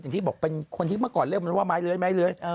อย่างที่บอกเป็นคนที่เมื่อก่อนเรียกว่าไม้เลื้อย